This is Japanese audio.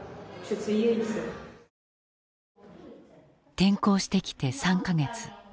転校してきて３か月。